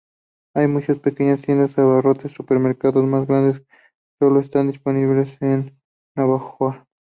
Hay muchas pequeñas tiendas de abarrotes; supermercados más grandes solo están disponibles en Navojoa.